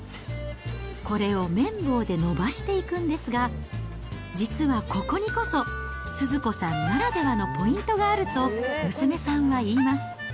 これを麺棒で伸ばしていくんですが、実はここにこそ、スズ子さんならではのポイントがあると、娘さんは言います。